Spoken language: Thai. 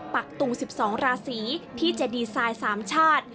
ปักตุง๑๒ราศีที่จะดีไซน์๓ชาติ